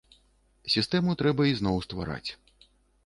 Сістэму трэба ізноў ствараць.